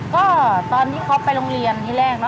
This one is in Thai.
ก็ตอนที่เขาไปโรงเรียนที่แรก